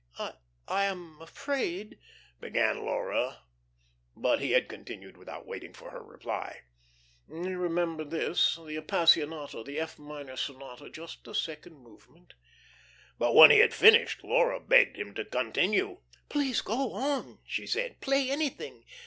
"I I am afraid " began Laura, but he had continued without waiting for her reply. "You remember this? The 'Appassionata,' the F minor sonata just the second movement." But when he had finished Laura begged him to continue. "Please go on," she said. "Play anything.